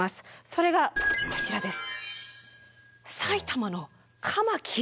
それがこちらです。